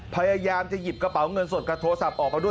พยายามจะหยิบกระเป๋าเงินสดกับโทรศัพท์ออกมาด้วย